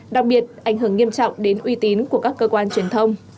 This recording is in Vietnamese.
đặc biệt ảnh hưởng nghiêm trọng đến uy tín của các cơ quan truyền thông